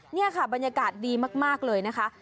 นี่ค่ะบรรยากาศดีมากเลยนะคะ